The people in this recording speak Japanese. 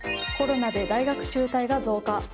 コロナで大学中退が増加。